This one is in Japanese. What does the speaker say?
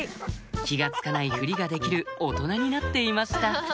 気が付かないふりができる大人になっていました